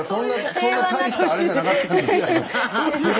そんな大したあれじゃなかったんですけど。